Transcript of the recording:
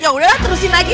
yaudah terusin lagi